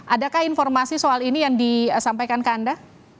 adakah informasi soal ini yang disampaikan ke anda